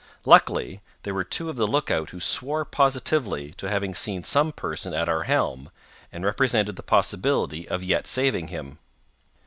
Luckily, there were two of the look out who swore positively to having seen some person at our helm, and represented the possibility of yet saving him.